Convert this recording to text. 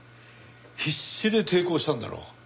必死で抵抗したんだろう。